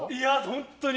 本当に。